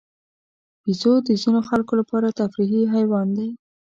بیزو د ځینو خلکو لپاره تفریحي حیوان دی.